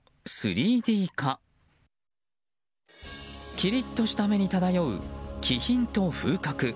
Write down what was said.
きりっとした目に漂う気品と風格。